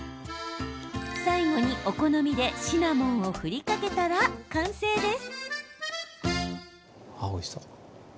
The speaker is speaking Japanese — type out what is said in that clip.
最後に、お好みでシナモンを振りかけたら、完成です。